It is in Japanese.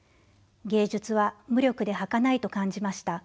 芸術は無力ではかないと感じました。